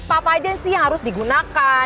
apa apa aja sih yang harus digunakan